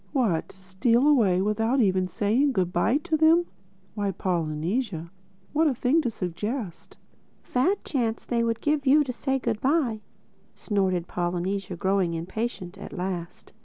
"What, steal away without even saying good bye to them! Why, Polynesia, what a thing to suggest!" "A fat chance they would give you to say good bye!" snorted Polynesia growing impatient at last.